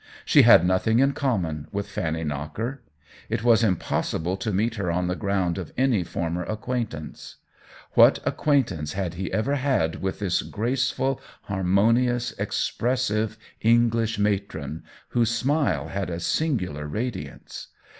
She had nothing in common with Fanny Knocker. It was impossible to meet her on the ground of any former acquaintance. What acquaint ance had he ever had with this graceful har monious, expressive English matron, whose smile had a singular radiance